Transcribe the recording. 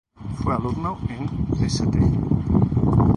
Fue alumno en "St.